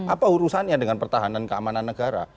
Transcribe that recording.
apa urusannya dengan pertahanan keamanan negara